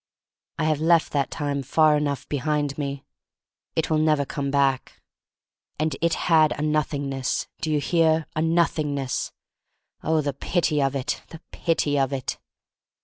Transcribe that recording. I have left that time far enough be hind me. It will never come back. And it had a Nothingness — do you r 70 THE STORY OF MARY MAC LANE hear, a Nothingness! Oh, the pity of itl the pity of it!